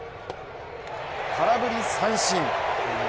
空振り三振。